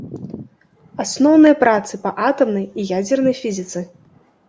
Асноўныя працы па атамнай і ядзернай фізіцы.